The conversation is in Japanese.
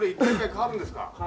変わるんです。